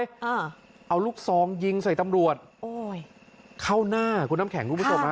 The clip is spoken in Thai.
อ่าเอาลูกซองยิงใส่ตำรวจโอ้ยเข้าหน้าคุณน้ำแข็งคุณผู้ชมฮะ